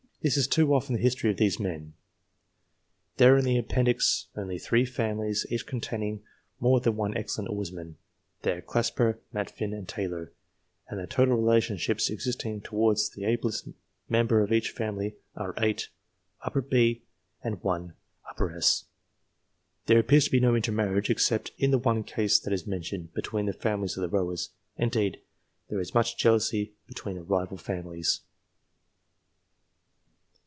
This is too often the history of these men. There are in the Appendix only three families, each containing more than one excellent oarsman ; they are Clasper, Matfin, and Taylor, and the total relationships existing towards the ablest member of each family are, 8 B and 1 S. There appears to be no intermarriage, except in the one case that is mentioned, between the families of the rowers ; indeed there is much jealousy between the rival families.